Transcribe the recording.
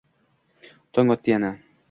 Tong otdi yana…